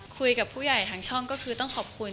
คุยกับผู้ใหญ่ทางช่องก็คือต้องขอบคุณ